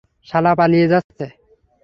শালা পালিয়ে যাচ্ছে।